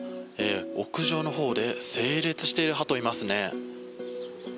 屋上のほうで整列しているハトがいますね。